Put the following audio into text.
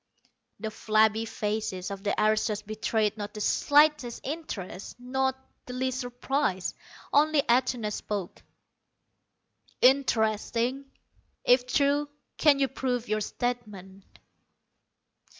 The flabby faces of the aristos betrayed not the slightest interest, not the least surprise. Only Atuna spoke: "Interesting, if true. Can you prove your statement?"